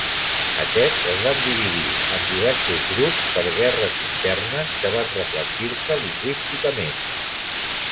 Aquests es van dividir en diversos grups per guerres internes, que van reflectir-se lingüísticament.